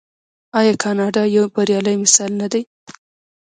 آیا کاناډا یو بریالی مثال نه دی؟